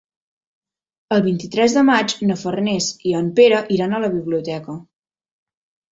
El vint-i-tres de maig na Farners i en Pere iran a la biblioteca.